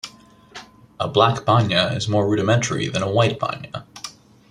A black banya is more rudimentary than a white banya.